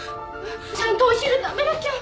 ちゃんとお昼食べなきゃ。